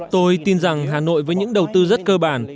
tôi tin rằng hà nội với những đầu tư rất cơ bản